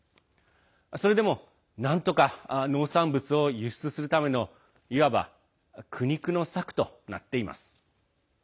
それでも、なんとか農産物を輸出するためのいわば苦肉の策となっています。